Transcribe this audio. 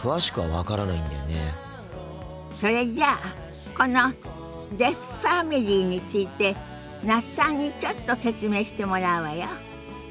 それじゃあこのデフファミリーについて那須さんにちょっと説明してもらうわよ。